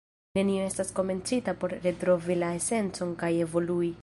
Nenio estas komencita por retrovi la esencon kaj evolui.